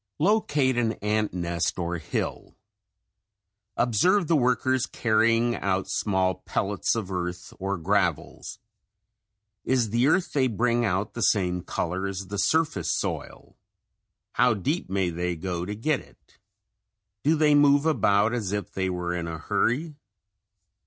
Locate an ant nest or hill. Observe the workers carrying out small pellets of earth or gravels. Is the earth they bring out the same color as the surface soil? How deep may they go to get it? Do they move about as if they were in a hurry?